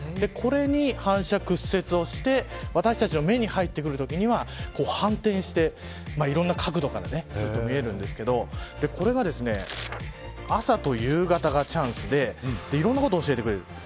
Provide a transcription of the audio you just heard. これに反、屈折をして私たちの目に入ってくるときには反転して、いろんな角度から見えるんですがこれが朝と夕方がチャンスでいろんなことを教えてくれる。